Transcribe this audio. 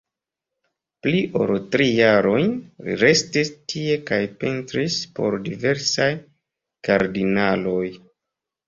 Pli ol tri jarojn li restis tie kaj pentris por diversaj kardinaloj.